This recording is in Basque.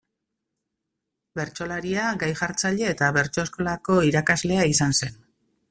Bertsolaria, gai jartzailea eta bertso-eskolako irakaslea izan zen.